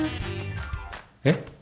えっ？